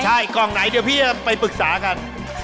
ใช่กล่องไหนเดี๋ยวพี่จะไปปรึกษากัน